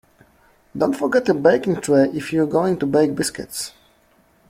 Don't forget your baking tray if you're going to bake biscuits